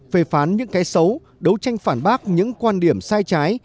phê phán những cái xấu đấu tranh phản bác những quan điểm sai trái